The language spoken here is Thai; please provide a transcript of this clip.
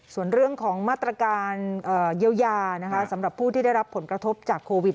ส่วนเรื่องของมาตรการเยียวยาสำหรับผู้ที่ได้รับผลกระทบจากโควิด